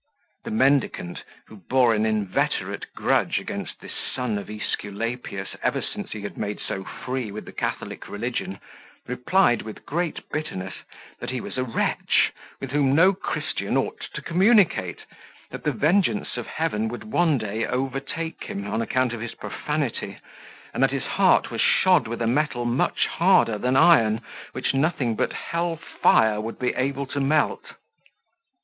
The mendicant, who bore an inveterate grudge against this son of Esculapius ever since he had made so free with the Catholic religion, replied, with great bitterness, that he was a wretch with whom no Christian ought to communicate; that the vengeance of Heaven would one day overtake him, on account of his profanity; and that his heart was shod with a metal much harder than iron, which nothing but hell fire would be able to melt.